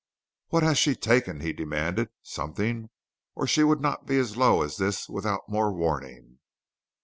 "What has she taken?" he demanded. "Something, or she would not be as low as this without more warning."